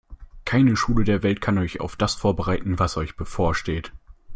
Keine Schule der Welt kann euch auf das vorbereiten, was euch bevorsteht.